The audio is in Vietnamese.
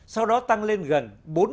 sau đó tăng lên gần